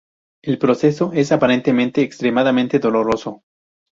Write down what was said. El proceso es aparentemente extremadamente doloroso.